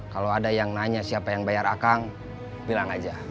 kalau ada yang nanya siapa yang bayar akang bilang aja